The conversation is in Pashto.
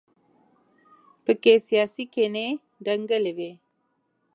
په کې سیاسي کینې دنګلې وي.